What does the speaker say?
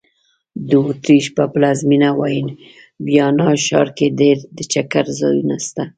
د اوترېش په پلازمېنه ویانا ښار کې ډېر د چکر ځایونه سته.